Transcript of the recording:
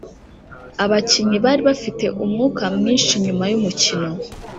abakinnyi bari bafite umwuka mwinshi nyuma yumukino.